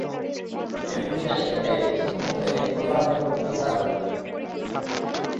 এমনিতে আমি একাই, বছর খানেক ধরে একতলার একটা রুম ভাড়া করে থাকতাম।